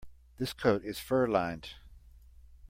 This coat is fur-lined.